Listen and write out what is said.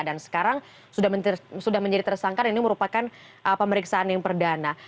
dan sekarang sudah menjadi tersangka dan ini merupakan pemeriksaan yang perdana